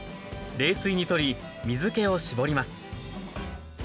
冷水にとり水気を絞ります。